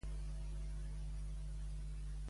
D'acord amb el conseller, doncs, com ha de ser el regrés?